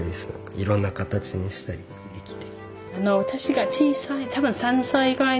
いろんな形にしたりできて。